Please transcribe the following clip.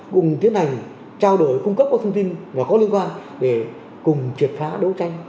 cùng tiến hành trao đổi cung cấp các thông tin và có liên quan để cùng triệt phá đấu tranh